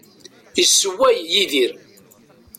Issewway Yidir.